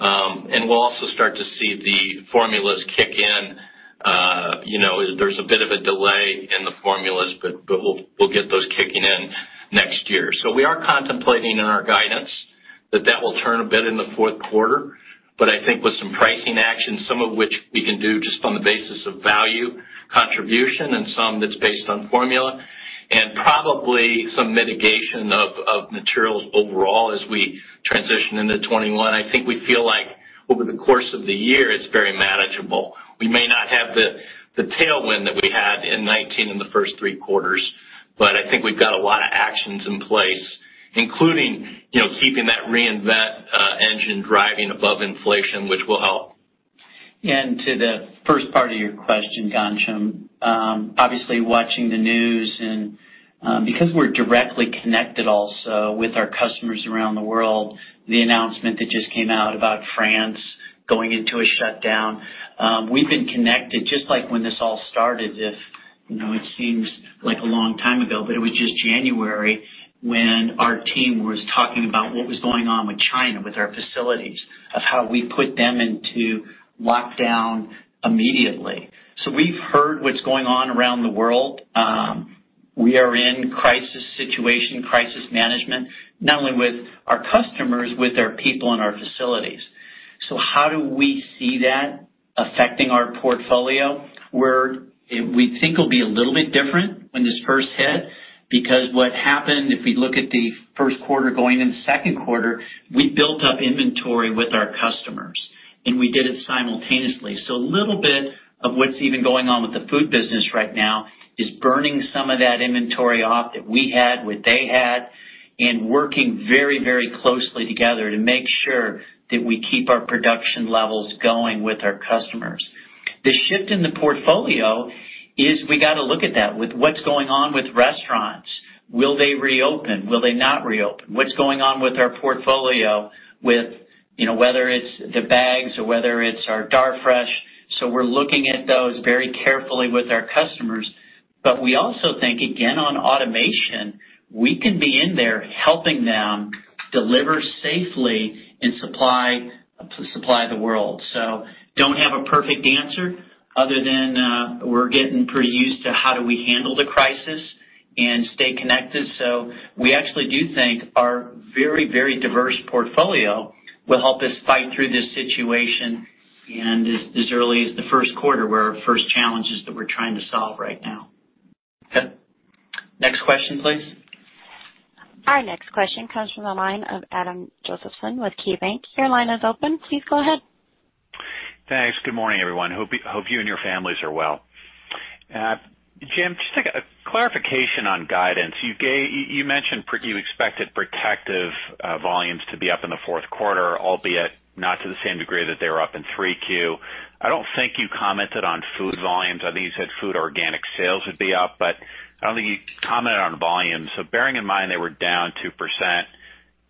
We'll also start to see the formulas kick in. There's a bit of a delay in the formulas, but we'll get those kicking in next year. We are contemplating in our guidance that that will turn a bit in the fourth quarter, but I think with some pricing actions, some of which we can do just on the basis of value contribution and some that's based on formula and probably some mitigation of materials overall as we transition into 2021. I think we feel like over the course of the year, it's very manageable. We may not have the tailwind that we had in 2019 in the first three quarters, but I think we've got a lot of actions in place, including keeping that Reinvent SEE engine driving above inflation, which will help. To the first part of your question, Ghansham, obviously watching the news and because we're directly connected also with our customers around the world, the announcement that just came out about France going into a shutdown. We've been connected just like when this all started, it seems like a long time ago, but it was just January when our team was talking about what was going on with China, with our facilities, of how we put them into lockdown immediately. We've heard what's going on around the world. We are in crisis situation, crisis management, not only with our customers, with our people and our facilities. How do we see that affecting our portfolio, where we think it'll be a little bit different when this first hit, because what happened, if we look at the first quarter going into second quarter, we built up inventory with our customers, and we did it simultaneously. A little bit of what's even going on with the Food business right now is burning some of that inventory off that we had, what they had, and working very closely together to make sure that we keep our production levels going with our customers. The shift in the portfolio is we got to look at that with what's going on with restaurants. Will they reopen? Will they not reopen? What's going on with our Food portfolio, whether it's the bags or whether it's our Darfresh? We're looking at those very carefully with our customers. We also think, again, on automation, we can be in there helping them deliver safely and supply the world. Don't have a perfect answer other than we're getting pretty used to how do we handle the crisis and stay connected. We actually do think our very diverse portfolio will help us fight through this situation and as early as the first quarter, were our first challenges that we're trying to solve right now. Okay. Next question, please. Our next question comes from the line of Adam Josephson with KeyBanc, your line is open. Please go ahead. Thanks. Good morning everyone? Hope you and your families are well. Jim, just a clarification on guidance. You mentioned you expected Protective volumes to be up in the fourth quarter, albeit not to the same degree that they were up in Q3. I don't think you commented on Food volumes. I think you said Food organic sales would be up, but I don't think you commented on volumes. Bearing in mind they were down 2%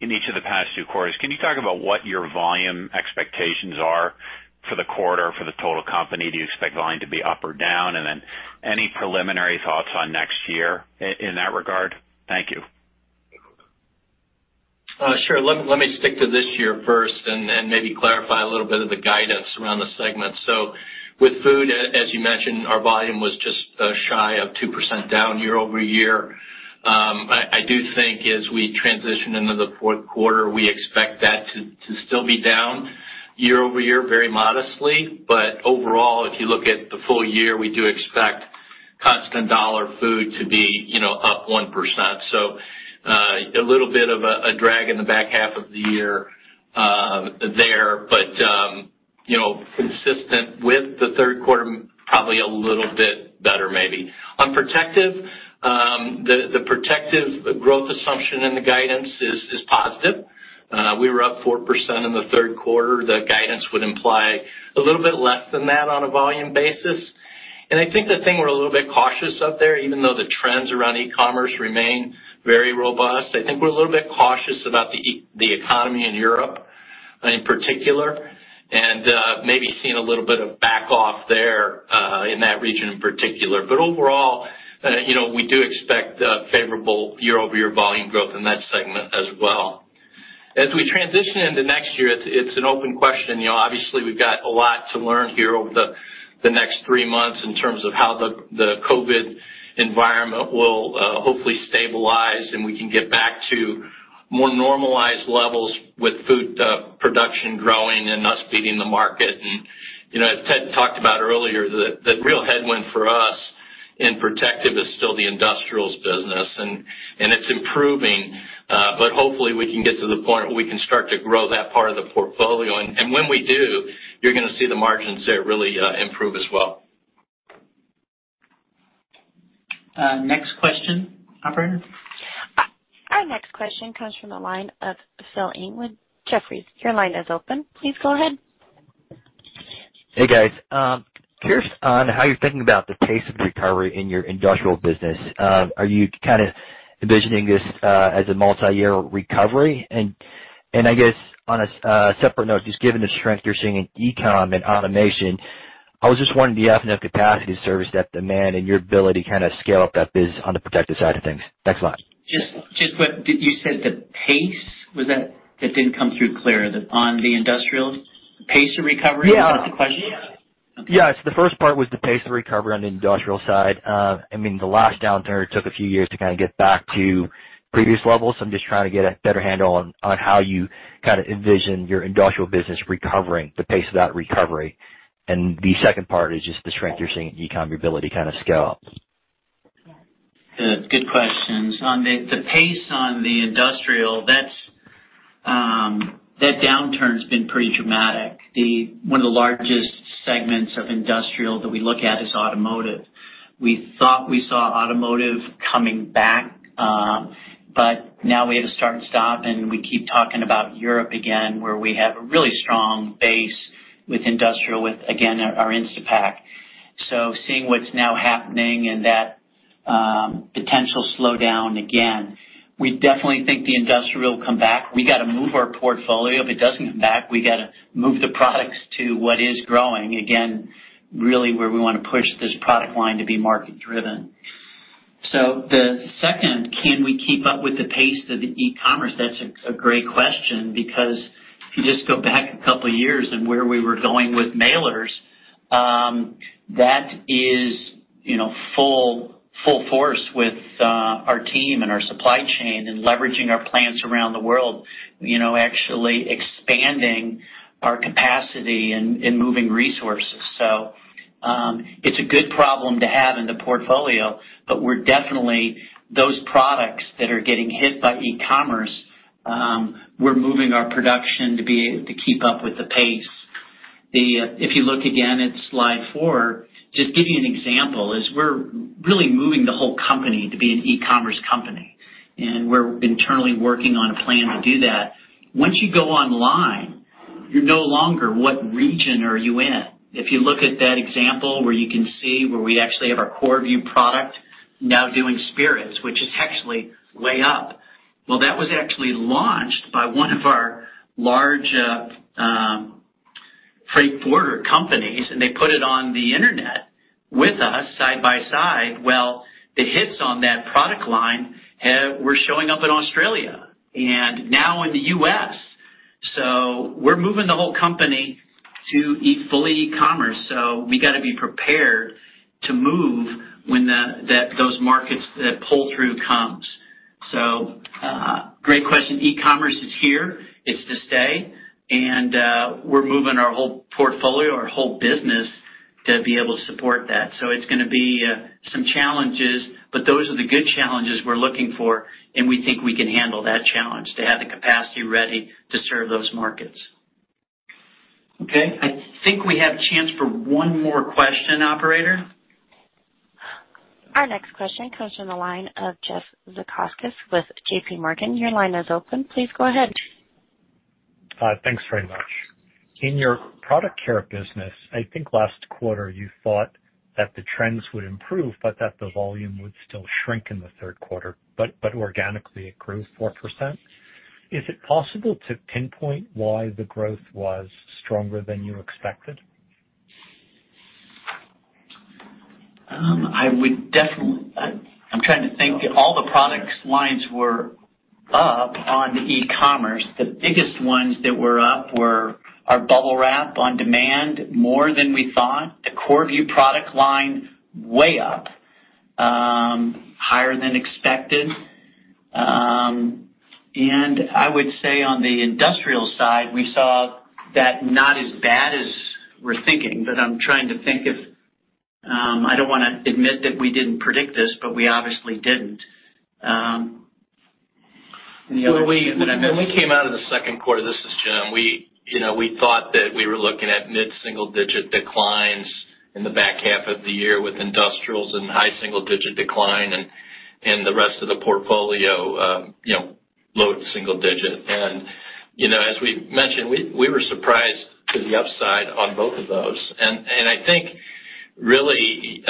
in each of the past two quarters, can you talk about what your volume expectations are for the quarter for the total company? Do you expect volume to be up or down? Then any preliminary thoughts on next year in that regard? Thank you. Sure. Let me stick to this year first and then maybe clarify a little bit of the guidance around the segment. With Food, as you mentioned, our volume was just shy of 2% down year-over-year. I do think as we transition into the fourth quarter, we expect that to still be down year-over-year, very modestly. Overall, if you look at the full year, we do expect constant dollar Food to be up 1%. A little bit of a drag in the back half of the year there, but consistent with the third quarter, probably a little bit better, maybe. On Protective, the Protective growth assumption in the guidance is positive. We were up 4% in the third quarter. The guidance would imply a little bit less than that on a volume basis. I think the thing we're a little bit cautious of there, even though the trends around e-commerce remain very robust, I think we're a little bit cautious about the economy in Europe in particular, and maybe seeing a little bit of back off there in that region in particular. Overall, we do expect favorable year-over-year volume growth in that segment as well. As we transition into next year, it's an open question. Obviously, we've got a lot to learn here over the next three months in terms of how the COVID environment will hopefully stabilize, and we can get back to more normalized levels with food production growing and us feeding the market. Ted talked about earlier, the real headwind for us in Protective is still the industrials business, and it's improving. Hopefully, we can get to the point where we can start to grow that part of the portfolio. When we do, you're going to see the margins there really improve as well. Next question, Operator. Our next question comes from the line of Phil Ng, Jefferies, your line is open. Please go ahead. Hey, guys. Curious on how you're thinking about the pace of recovery in your industrial business. Are you kind of envisioning this as a multi-year recovery? I guess on a separate note, just given the strength you're seeing in e-com and automation, I was just wondering if you have enough capacity to service that demand and your ability to kind of scale up that biz on the Protective side of things. Thanks a lot. Did you said the pace? That didn't come through clear on the industrial pace of recovery. Yeah. Was that the question? Yes. The first part was the pace of recovery on the industrial side. I mean, the last downturn took a few years to kind of get back to previous levels, so I'm just trying to get a better handle on how you kind of envision your industrial business recovering, the pace of that recovery. The second part is just the strength you're seeing in e-com, your ability to kind of scale up. Good questions. On the pace on the industrial, that downturn's been pretty dramatic. One of the largest segments of industrial that we look at is automotive. We thought we saw automotive coming back, but now we had to start and stop, and we keep talking about Europe again, where we have a really strong base with industrial, with again, our Instapak. Seeing what's now happening and that potential slowdown again, we definitely think the industrial will come back. We got to move our portfolio. If it doesn't come back, we got to move the products to what is growing. Again, really where we want to push this product line to be market-driven. The second, can we keep up with the pace of the e-commerce? That's a great question because if you just go back a couple of years and where we were going with mailers. That is full force with our team and our supply chain and leveraging our plants around the world, actually expanding our capacity and moving resources. It's a good problem to have in the portfolio, but we're definitely, those products that are getting hit by e-commerce, we're moving our production to be able to keep up with the pace. If you look again at slide four, just give you an example, is we're really moving the whole company to be an e-commerce company, and we're internally working on a plan to do that. Once you go online, you're no longer what region are you in. If you look at that example where you can see where we actually have our Korrvu product now doing spirits, which is actually way up. That was actually launched by one of our large freight forwarder companies, and they put it on the internet with us side by side. The hits on that product line were showing up in Australia and now in the U.S. We're moving the whole company to fully e-commerce. We got to be prepared to move when those markets, that pull-through comes. Great question. E-commerce is here, it's to stay, and we're moving our whole portfolio, our whole business to be able to support that. It's going to be some challenges, but those are the good challenges we're looking for, and we think we can handle that challenge to have the capacity ready to serve those markets. Okay. I think we have a chance for one more question, operator. Our next question comes from the line of Jeff Zekauskas with JPMorgan, you line is open. Please go ahead. Hi. Thanks very much. In your product care business, I think last quarter you thought that the trends would improve, but that the volume would still shrink in the third quarter, but organically it grew 4%. Is it possible to pinpoint why the growth was stronger than you expected? I'm trying to think. All the product lines were up on e-commerce. The biggest ones that were up were our BUBBLE WRAP on demand, more than we thought. The Korrvu product line, way up. Higher than expected. I would say on the industrial side, we saw that not as bad as we're thinking. I'm trying to think if I don't want to admit that we didn't predict this, but we obviously didn't. When we came out of the second quarter, this is Jim, we thought that we were looking at mid-single digit declines in the back half of the year with industrials and high single digit decline in the rest of the portfolio, low single digit. As we mentioned, we were surprised to the upside on both of those. I think really,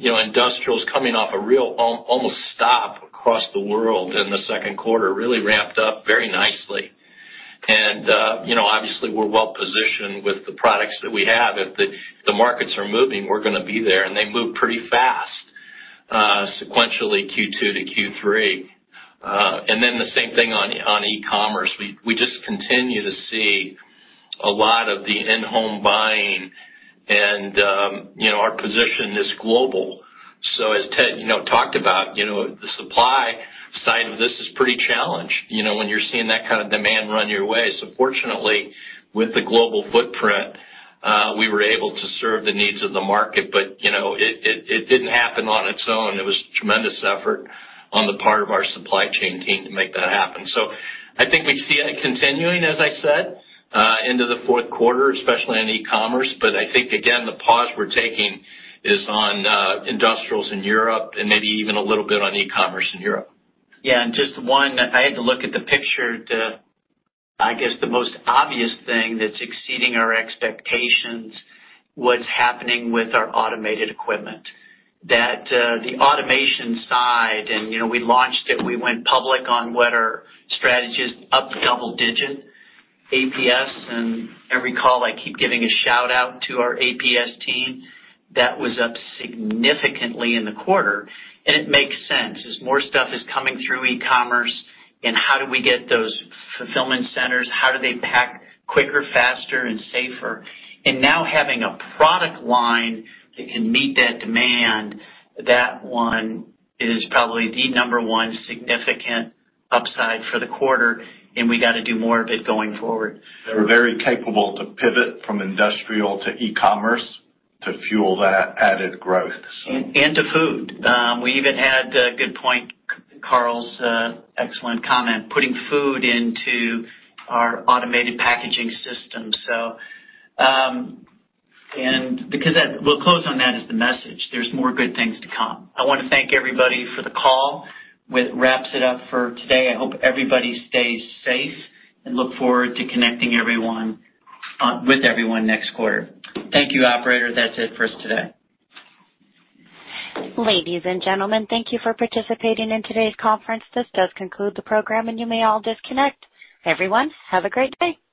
industrials coming off a real almost stop across the world in the second quarter really ramped up very nicely. Obviously we're well-positioned with the products that we have. If the markets are moving, we're going to be there, and they move pretty fast sequentially Q2 to Q3. The same thing on e-commerce. We just continue to see a lot of the in-home buying and our position is global. As Ted talked about, the supply side of this is pretty challenged when you're seeing that kind of demand run your way. Fortunately, with the global footprint, we were able to serve the needs of the market. It didn't happen on its own. It was tremendous effort on the part of our supply chain team to make that happen. I think we see it continuing, as I said, into the fourth quarter, especially on e-commerce. I think, again, the pause we're taking is on industrials in Europe and maybe even a little bit on e-commerce in Europe. Yeah. Just one, I had to look at the picture to, I guess the most obvious thing that's exceeding our expectations was happening with our automated equipment. That the automation side, and we launched it, we went public on what our strategy is, up double-digit APS. Every call I keep giving a shout-out to our APS team. That was up significantly in the quarter. It makes sense. As more stuff is coming through e-commerce and how do we get those fulfillment centers, how do they pack quicker, faster and safer? Now having a product line that can meet that demand, that one is probably the number one significant upside for the quarter, and we got to do more of it going forward. They were very capable to pivot from industrial to e-commerce to fuel that added growth. To food. We even had, good point, Karl's excellent comment, putting food into our Automated Packaging Systems. We'll close on that as the message. There's more good things to come. I want to thank everybody for the call. That wraps it up for today. I hope everybody stays safe and look forward to connecting with everyone next quarter. Thank you, Operator. That's it for us today. Ladies and gentlemen, thank you for participating in today's conference. This does conclude the program, and you may all disconnect. Everyone, have a great day.